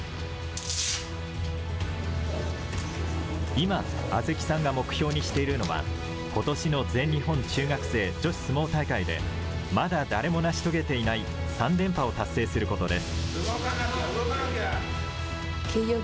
今、亜豆紀さんが目標にしているのは、ことしの全日本中学生女子相撲大会で、まだ誰も成し遂げていない３連覇を達成することです。